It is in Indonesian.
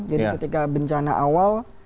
jadi ketika bencana awal